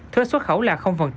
thuế xuất khẩu là